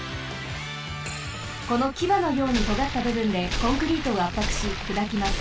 このキバのようにとがったぶぶんでコンクリートをあっぱくしくだきます。